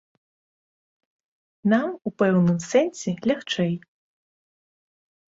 Нам у пэўным сэнсе лягчэй.